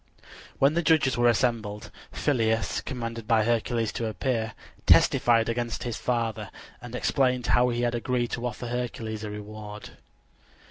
When the judges were assembled, Phyleus, commanded by Hercules to appear, testified against his father, and explained how he had agreed to offer Hercules a reward.